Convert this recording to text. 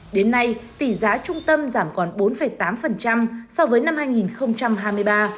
đến nay tỷ giá trung tâm giảm còn bốn tám so với năm hai nghìn hai mươi ba